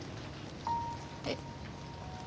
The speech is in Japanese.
えっ。